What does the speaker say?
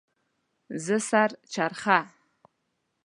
زه سر چرخه